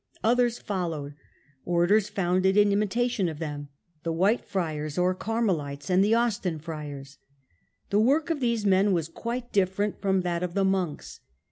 Others followed, orders founded in imitation of them — the White Friars (or Carmelites) and the Austin Friars. The work of these men was quite different from that of the monks.